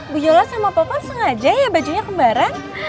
bu jola sama popon sengaja ya bajunya kembaran